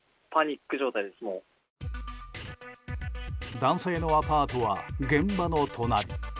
男性のアパートは現場の隣。